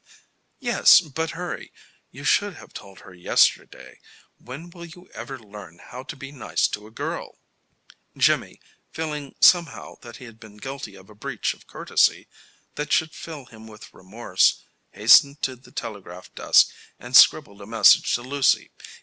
"Yes, but hurry. You should have told her yesterday. When will you ever learn how to be nice to a girl?" Jimmy, feeling somehow that he had been guilty of a breach of courtesy that should fill him with remorse, hastened to the telegraph desk and scribbled a message to Lucy.